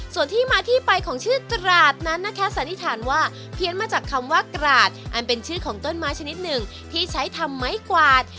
ส่วนที่มาที่ไปของชื่อตราดนั้นนะคะสันนิษฐานว่าเพี้ยนมาจากคำว่ากราดอันเป็นชื่อของต้นไม้ชนิดหนึ่งที่ใช้ทำไม้กวาด